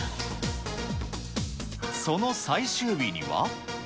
その最終日には。